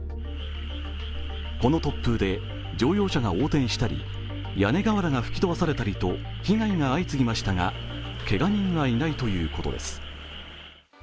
この突風で乗用車が横転したり屋根瓦が吹き飛ばされたりと被害が相次ぎましたが、けが人はいないということです。